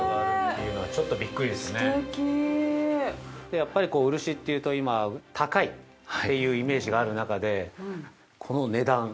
◆やっぱり今、漆というと高いというイメージがある中でこの値段。